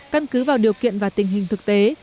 căn cứ vào điều kiện và tình hình thực tế